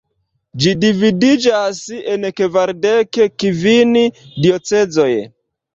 Ĝi dividiĝas en kvardek kvin diocezoj.